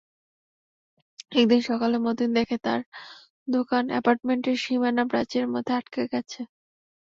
একদিন সকালে মতিন দেখে, তার দোকান অ্যাপার্টমেন্টের সীমানা প্রাচীরের মধ্যে আটকে গেছে।